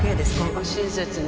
ご親切に。